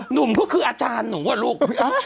หนุ่มก็คืออาจารย์หนูอะลูก